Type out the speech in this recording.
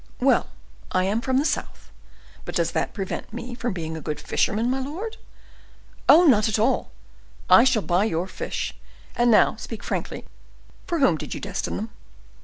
"Well, I am from the south; but does that prevent me from being a good fisherman, my lord?" "Oh! not at all; I shall buy your fish. And now speak frankly; for whom did you destine them?"